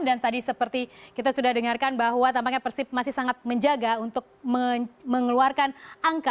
dan tadi seperti kita sudah dengarkan bahwa tampaknya persib masih sangat menjaga untuk mengeluarkan angka